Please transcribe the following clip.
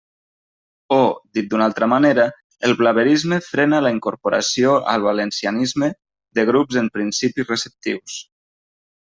O, dit d'una altra manera, el blaverisme frena la incorporació al valencianisme de grups en principi receptius.